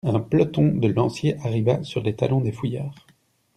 Un peloton de lanciers arriva sur les talons des fuyards.